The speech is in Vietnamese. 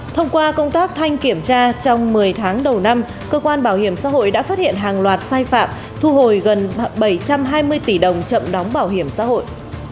thông qua công tác thanh kiểm tra trong một mươi tháng đầu năm cơ quan bảo hiểm xã hội đã phát hiện hàng loạt sai phạm thu hồi gần bảy trăm hai mươi tỷ đồng chậm đóng bảo hiểm xã hội